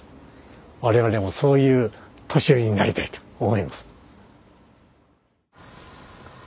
我々もそういう年寄りになりたいと思います。